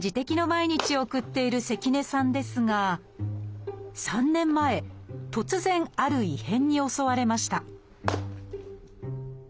毎日を送っている関根さんですが３年前突然ある異変に襲われました